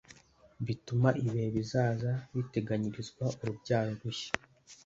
bituma ibihe bizaza biteganyirizwa urubyaro rushya